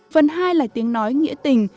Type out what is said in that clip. phần hai là tiếng nói nghĩa tình